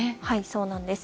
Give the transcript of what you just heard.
そうなんです。